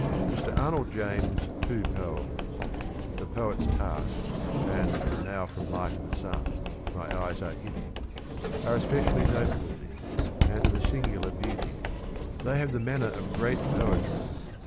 Mr. Arnold James' two poems, ' The Poet's Task,' and ' Now from light of the sun, My eyes are hidden,' are especially noteworthy, and of a singular beauty. They have the manner of great poetry